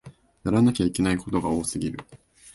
やらなきゃいけないことが多すぎる